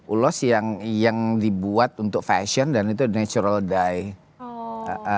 ulos yang dibuat untuk fashion dan itu natural dive